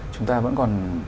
chúng ta vẫn còn